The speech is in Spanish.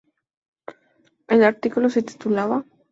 El artículo se titulaba "¿Diamantes en el cielo?